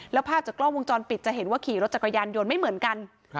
แล้วภาพจากกล้องวงจรปิดจะเห็นว่าขี่รถจักรยานยนต์ไม่เหมือนกัน